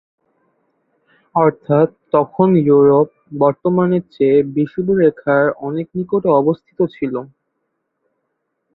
অর্থাৎ তখন ইউরোপ বর্তমানের চেয়ে বিষুবরেখার অনেক নিকটে অবস্থিত ছিল।